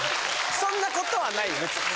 そんなことはないよね普通。